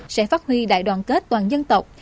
sẽ phát huy đại đoàn kết toàn dân tộc